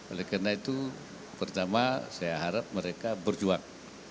oleh karena itu pertama saya harap mereka berjuang